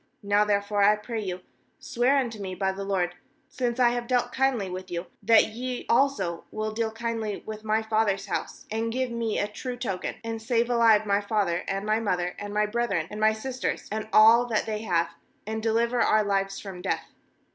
^Now therefore, I pray you, swear unto me by the LORD, since I have dealt kindly with you, that ye also will deal kindly with my father's house — and give me a true token — 13and save alive my father, and my mother, and my brethren, and my sisters, and all that they have, and deliver our lives from death.'